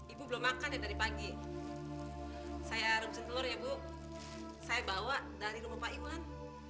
ibu belum makan ya dari pagi saya rerupsi telur ya bu saya bawa dari rumah pak iwan